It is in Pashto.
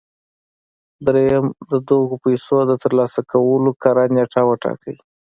درېيم د دغو پيسو د ترلاسه کولو کره نېټه وټاکئ.